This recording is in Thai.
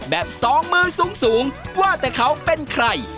แบบสองมือสูงว่าแต่เขาเป็นใคร